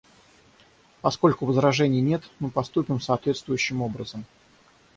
Поскольку возражений нет, мы поступим соответствующим образом.